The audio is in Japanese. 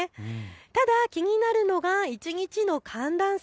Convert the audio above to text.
ただ気になるのは一日の寒暖差。